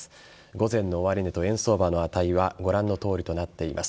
午前の終値と円相場の値はご覧の通りとなっています。